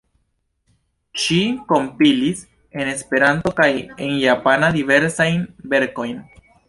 Ŝi kompilis en Esperanto kaj en japana diversajn verkojn.